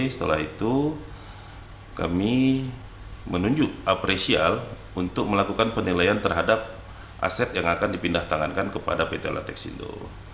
setelah itu kami menunjuk apresial untuk melakukan penilaian terhadap aset yang akan dipindah tangankan kepada pt lateksindo